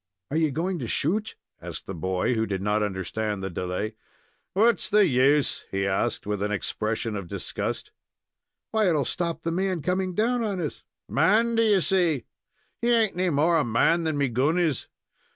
"Are you going to shoot?" asked the boy, who did not understand the delay. "What's the use?" he asked, with an expression of disgust. "Why, it will stop the man coming down on us." "Man, do ye say? He ain't any more a man than me gun is."